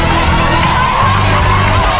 ทราสาวดูได้ดูข้างหน้า